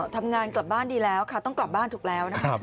ทำงานกลับบ้านดีแล้วค่ะต้องกลับบ้านถูกแล้วนะคะ